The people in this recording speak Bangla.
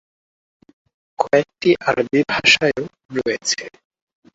কয়েকটি আরবি ভাষায়ও রয়েছে।